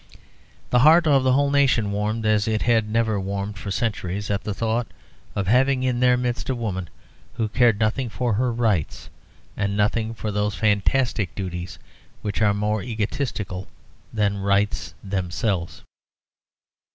The heart of the whole nation warmed as it had never warmed for centuries at the thought of having in their midst a woman who cared nothing for her rights, and nothing for those fantastic duties which are more egotistical than rights themselves.